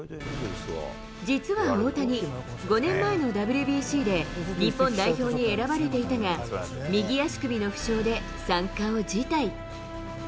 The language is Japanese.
実は大谷、５年前のＷＢＣで、日本代表に選ばれていたが右足首の負傷で参加を辞退。